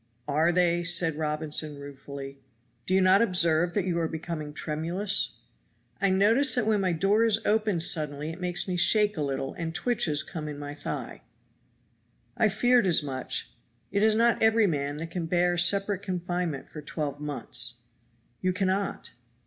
"Are they?" said Robinson ruefully. "Do you not observe that you are becoming tremulous?" "I notice that when my door is opened suddenly it makes me shake a little and twitches come in my thigh." "I feared as much. It is not every man that can bear separate confinement for twelve months. You cannot."